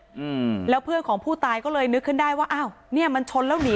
อืมแล้วเพื่อนของผู้ตายก็เลยนึกขึ้นได้ว่าอ้าวเนี้ยมันชนแล้วหนี